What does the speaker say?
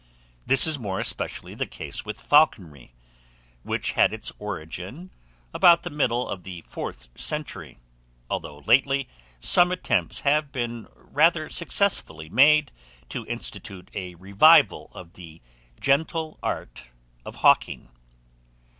This is more especially the case with falconry, which had its origin about the middle of the fourth century, although, lately, some attempts have been rather successfully made to institute a revival of the "gentle art" of hawking.